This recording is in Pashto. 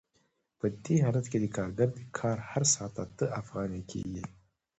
په دې حالت کې د کارګر د کار هر ساعت اته افغانۍ کېږي